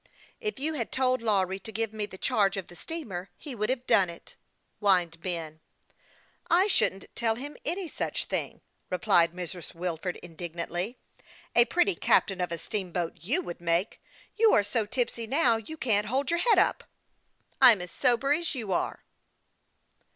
" If you had told Lawry to give me the charge of the steamer, he would have done it," whined Ben. " I shouldn't tell him any such thing !" replied Mrs. Wilford, indignantly. " A pretty captain of a steamboat you would make ! You are so tipsy now ynu can't hold your head up !" THE YOUXG PILOT OF LAKE CHAMPLAIN. 171 " I'm as sober as you are."